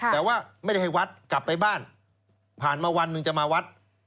แต่ว่าไม่ได้ให้วัดกลับไปบ้านผ่านมาวันหนึ่งจะมาวัด